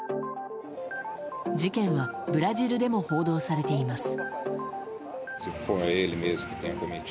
事件はブラジルでも報道されています。